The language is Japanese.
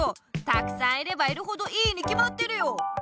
たくさんいればいるほどいいにきまってるよ！